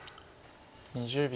２０秒。